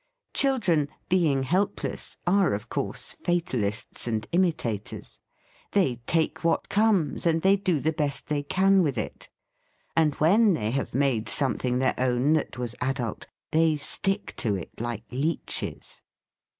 Chil ' dren, being helpless, are of course fatal ists and imitators. They take what comes, and they do the best they can with it. And when they have made something their own that was adult, they stick to it like leeches.